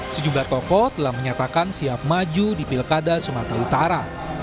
sejumlah tokoh telah menyatakan siap maju di pilkada sumatera utara